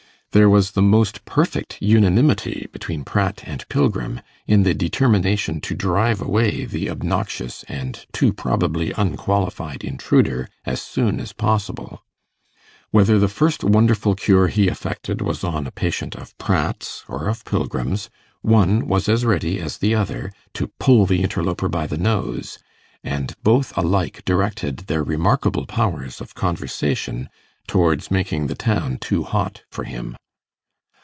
There was the most perfect unanimity between Pratt and Pilgrim in the determination to drive away the obnoxious and too probably unqualified intruder as soon as possible. Whether the first wonderful cure he effected was on a patient of Pratt's or of Pilgrim's, one was as ready as the other to pull the interloper by the nose, and both alike directed their remarkable powers of conversation towards making the town too hot for him.